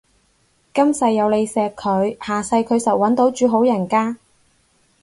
今世有你錫佢，下世佢實搵到住好人家